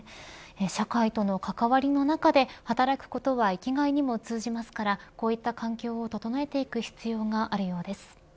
社会との関わりの中で働くことは生きがいにも通じますからこういった環境を整えていく必要があるようです。